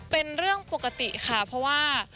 เป็นเรื่องปกติค่ะเพราะว่า